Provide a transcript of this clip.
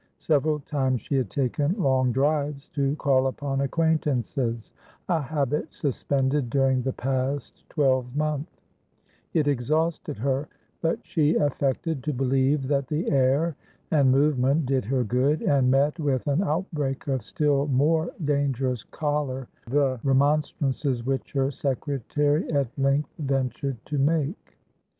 Several times she had taken long drives to call upon acquaintances, a habit suspended during the past twelvemonth; it exhausted her, but she affected to believe that the air and movement did her good, and met with an outbreak of still more dangerous choler the remonstrances which her secretary at length ventured to make.